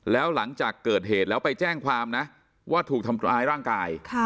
แล้วหลังจากเกิดเหตุแล้วไปแจ้งความนะว่าถูกทำร้ายร่างกาย